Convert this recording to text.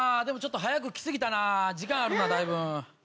早く来過ぎたな時間あるなだいぶ。